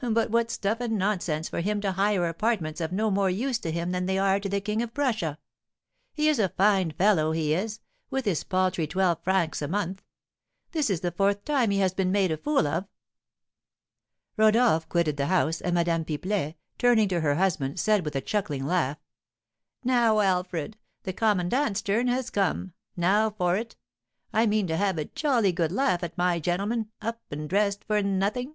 But what stuff and nonsense for him to hire apartments of no more use to him than they are to the King of Prussia! He is a fine fellow, he is, with his paltry twelve francs a month. This is the fourth time he has been made a fool of." Rodolph quitted the house, and Madame Pipelet, turning to her husband, said, with a chuckling laugh, "Now, Alfred, the commandant's turn has come; now for it! I mean to have a jolly good laugh at my gentleman, up and dressed for nothing."